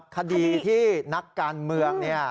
คดีที่นักการเมือง